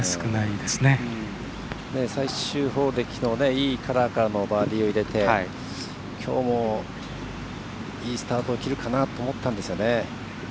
最終ホールでいいカラーからのバーディーを入れてきょうも、いいスタートを切るかなと思ったんですがね。